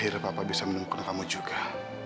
tidak ada papa bisa menukar kamu juga